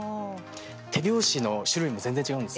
手拍子の種類も、全然違うんです。